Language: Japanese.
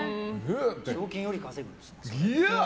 賞金より稼ぐんですよ。